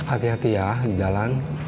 oh iya hati hati ya di jalan